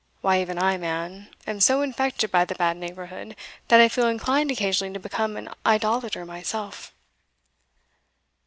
Why, even I, man, am so infected by the bad neighbourhood, that I feel inclined occasionally to become an idolater myself."